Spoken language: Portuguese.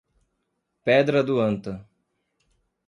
Pedra do Anta